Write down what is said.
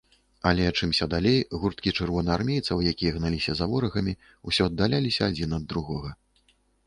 Але чымся далей, гурткі чырвонаармейцаў, якія гналіся за ворагамі, усё аддаляліся адзін ад другога.